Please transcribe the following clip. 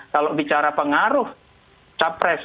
kalau bicara pengaruh capres